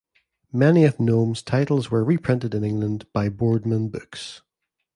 Many of Gnome's titles were reprinted in England by Boardman Books.